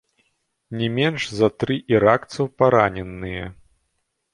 Не менш за тры іракцаў параненыя.